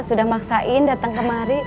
sudah maksain datang kemari